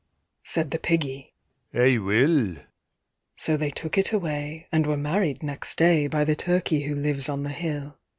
Said the Piggy, "I will." So they took it away, and were married next day By the Turkey who lives on the hill.